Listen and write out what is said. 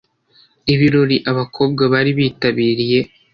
Ibirori abakobwa bari bitabiriye